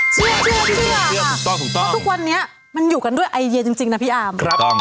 เชื่อถูกต้องเพราะทุกวันนี้มันอยู่กันด้วยไอเดียจริงนะพี่อาร์ม